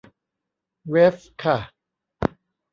เวฟค่ะ